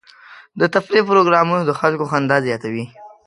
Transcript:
د تفریح پروګرامونه د خلکو خندا زیاتوي.